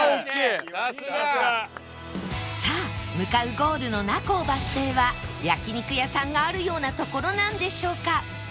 さあ向かうゴールの仲尾バス停は焼肉屋さんがあるような所なんでしょうか？